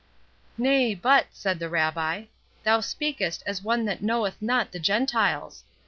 "Nay, but," said the Rabbi, "thou speakest as one that knoweth not the Gentiles.